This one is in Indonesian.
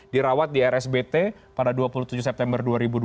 dirawat di rsbt pada dua puluh tujuh september dua ribu dua puluh